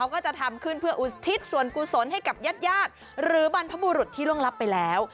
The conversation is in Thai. ก็จะทำขึ้นเพื่ออุทิศส่วนกุศลให้กับญาติญาติหรือบรรพบุรุษที่ล่วงลับไปแล้ว